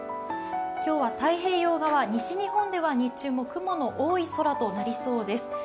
今日は太平洋側、西日本では日中も雲の多い空となりそうです。